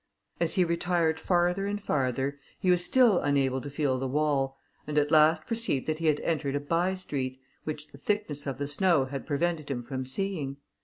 As he retired farther and farther, he was still unable to feel the wall, and at last perceived that he had entered a bye street, which the thickness of the snow had prevented him from seeing.